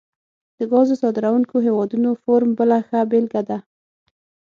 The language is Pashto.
د ګازو صادرونکو هیوادونو فورم بله ښه بیلګه ده